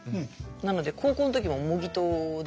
なので高校の時も模擬刀で。